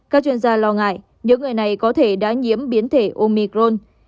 các chuyên gia lo ngại những người này có thể đã nhiễm biến thể omicron